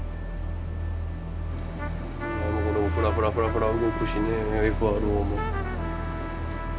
フラフラフラフラ動くしねＦ．Ｒ．Ｏも。